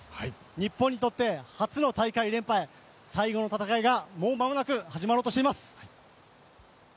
日本にとって初の大会連覇へ、最後の戦いがもう間もなく始まろうとしています。